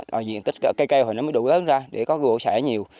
rồi diện tích cây keo mới đủ lớn ra để có gỗ sẻ nhiều